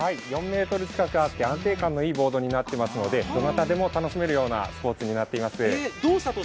４ｍ近くあって安定感のあるボードなのでどなたでも楽しめるようなスポーツとなっております。